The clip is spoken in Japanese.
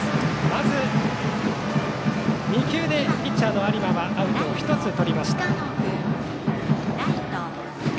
まず２球でピッチャーの有馬はアウトを１つとりました。